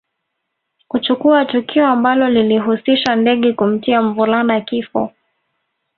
Kuchukua tukio ambalo lilihusisha ndege kumtia mvulana kifo